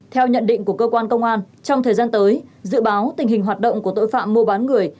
theo nhận định của cơ quan công an trong thời gian tới dự báo tình hình hoạt động của tội phạm mua bán người